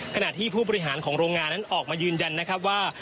ขณะที่ผู้ปริหารของโรงงานออกมายืนยันว่า